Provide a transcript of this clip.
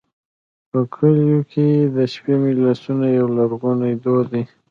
په کلیو کې د شپې مجلسونه یو لرغونی دود دی.